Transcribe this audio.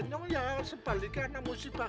saya juga sebaliknya karena musibah